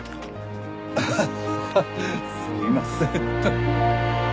ハハハすいません。